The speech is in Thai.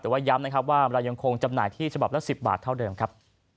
แต่ว่าย้ำนะครับว่าเรายังคงจำหน่ายที่ฉบับละ๑๐บาทเท่าเดิมครับ